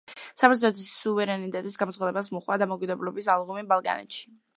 საბერძნეთის სუვერენიტეტის გამოცხადებას მოჰყვა „დამოუკიდებლობის აღლუმი“ ბალკანეთში.